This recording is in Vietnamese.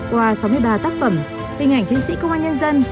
qua sáu mươi ba tác phẩm hình ảnh chiến sĩ công an nhân dân